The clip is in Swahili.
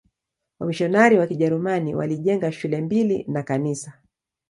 Wamisionari wa Kijerumani walijenga shule mbili na kanisa.